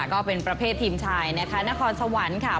ก็เป็นประเภททีมชายนะคะนครสวรรค์ค่ะ